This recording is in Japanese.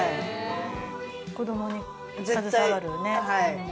子供に携わるね。